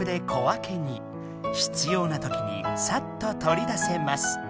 必要なときにさっと取り出せます。